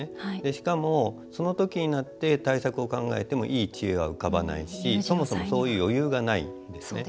しかもその時になって対策を考えてもいい知恵は浮かばないしそもそもそういう余裕がないですね。